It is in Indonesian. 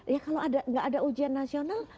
ya kalau nggak ada ujian nasional